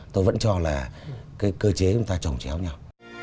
tôi vẫn cho là cái cơ chế chúng ta trồng chéo nhau